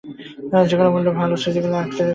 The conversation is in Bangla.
যেকোনো মূল্যে, ভালো স্মৃতিগুলা আঁকড়ে রেখো।